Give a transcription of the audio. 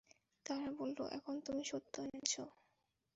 তারা বলল, এখন তুমি সত্য এনেছ।